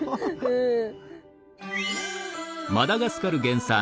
うん。